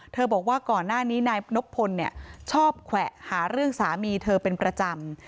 บอกว่าก่อนหน้านี้นายนบพลชอบแขวะหาเรื่องสามีเธอเป็นประจำ